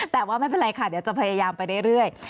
แต่ว่าไม่เป็นไรค่ะเดี๋ยวจะพยายามไปเรื่อย